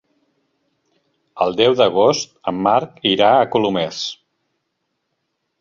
El deu d'agost en Marc irà a Colomers.